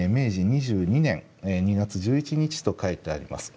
２２年２月１１日と書いてあります。